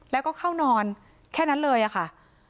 แล้วก็เข้านอนแค่นั้นเลยค่ะ